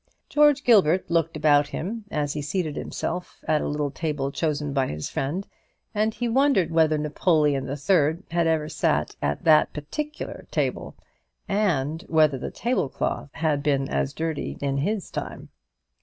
George Gilbert looked about him as he seated himself at a little table chosen by his friend, and he wondered whether Napoleon the Third had ever sat at that particular table, and whether the table cloth had been as dirty in his time.